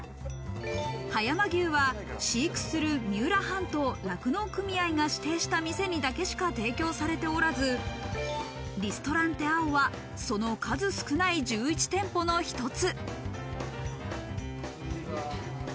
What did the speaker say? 葉山牛は飼育する、三浦半島酪農組合が指定した店にだけしか提供されておらず、リストランテＡＯはその数少ない１１店舗の一つ。